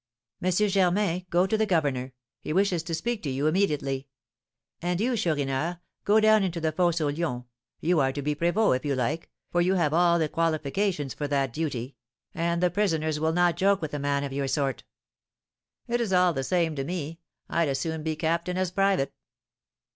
"Monsieur Germain, go to the governor; he wishes to speak to you immediately. And you, Chourineur, go down into the Fosse aux Lions; you are to be prévôt, if you like, for you have all the qualifications for that duty, and the prisoners will not joke with a man of your sort." "It is all the same to me, I'd as soon be captain as private."